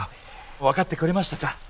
分かってくれましたか？